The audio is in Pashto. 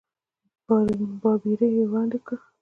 بابېړي یې ورباندې وکړ.